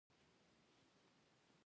د مامورینو ځای پر ځای کول د دندو څخه دي.